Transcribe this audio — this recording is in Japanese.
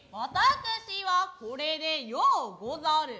私はこれでようござる。